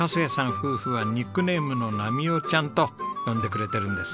夫婦はニックネームの「ナミオちゃん」と呼んでくれてるんです。